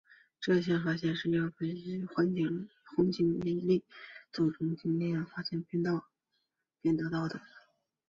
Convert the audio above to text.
这项发现是分析由行星环绕时拉扯恒星的引力造成的径向速度变化得到的。